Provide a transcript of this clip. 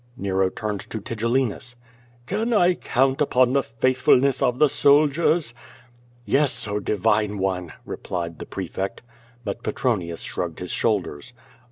Nero turned to Tigellinius: "Can I count upon the faithfulness of the soldiers??" "Yes, oh divine one!" replied the prefect. But Pretronius shrugged his shoulders.